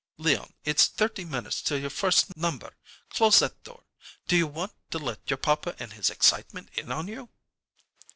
"Leon, it's thirty minutes till your first number. Close that door. Do you want to let your papa and his excitement in on you?"